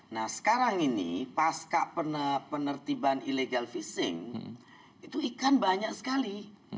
nah sekarang ini pasca penertiban illegal fishing itu ikan banyak sekali